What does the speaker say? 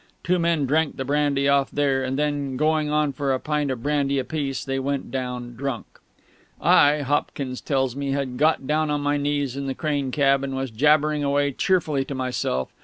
Two men drank the brandy off there and then getting on for a pint of brandy apiece; then they went down, drunk. I, Hopkins tells me, had got down on my knees in the crane cab, and was jabbering away cheerfully to myself.